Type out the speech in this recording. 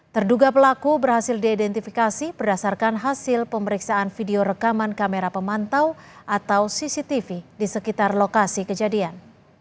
terduga pelaku berhasil diidentifikasi berdasarkan hasil pemeriksaan video rekaman kamera pemantau atau cctv di sekitar lokasi kejadian